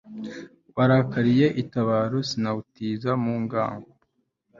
warakaliye itabaro sinawutiza mu ngango